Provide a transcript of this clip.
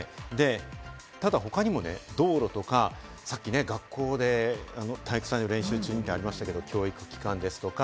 で、他にも道路とか、さっき学校で体育祭の練習中にとありましたけれども、教育機関ですとか。